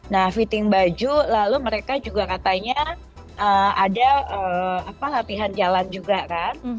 nah fitting baju lalu mereka juga katanya ada latihan jalan juga kan